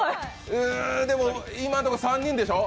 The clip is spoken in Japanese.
でも、今のところ３人でしょ？